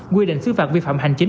quy định xứ phạm vi phạm hành chính